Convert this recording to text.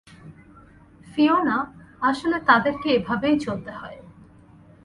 Fiona, আসলে, তাদেরকে এভাবেই চলতে হয়।